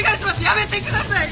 やめてください！